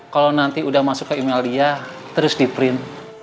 kalau nanti udah masuk ke imalia terus di print